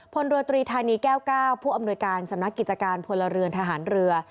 พลเรือตรีธานีแก้วเก้าผู้อำนวยการสำนักกิจการพลเรือนทหารเรือ